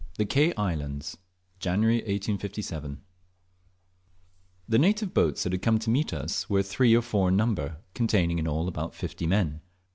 THE KE ISLANDS. (JANUARY 1857) THE native boats that had come to meet us were three or four in number, containing in all about fifty men.